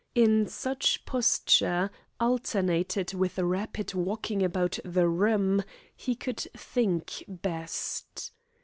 In such posture, alternated with rapid walking about the room, he could think best.